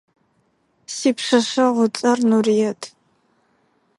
Сипшъэшъэгъу ыцӏэр Нурыет.